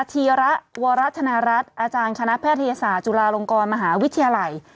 ธีระวรธนรัฐอาจารย์คณะแพทยศาสตร์จุฬาลงกรมหาวิทยาลัย